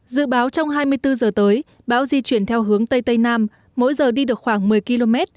dự báo trong hai mươi bốn giờ tới bão di chuyển theo hướng tây tây nam mỗi giờ đi được khoảng một mươi km